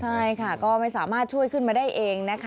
ใช่ค่ะก็ไม่สามารถช่วยขึ้นมาได้เองนะคะ